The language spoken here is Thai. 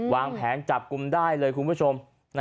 วางแผนจับกลุ่มได้เลยคุณผู้ชม